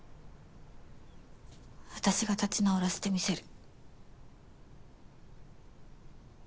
私が立ち直らせてみせる。